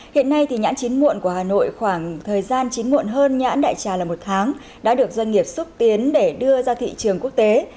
hiện nay nhãn chín muộn của hà nội khoảng thời gian chín muộn hơn nhãn đại trà là một tháng đã được doanh nghiệp xúc tiến để đưa ra thị trường quốc tế